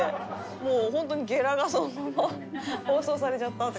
もう本当にゲラがそのまま放送されちゃった。